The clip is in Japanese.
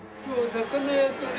魚屋とね。